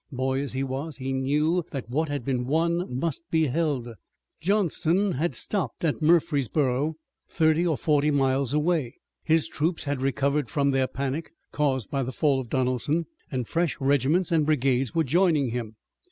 Boy as he was, he knew that what had been won must be held. Johnston had stopped at Murfreesborough, thirty or forty miles away. His troops had recovered from their panic, caused by the fall of Donelson. Fresh regiments and brigades were joining him.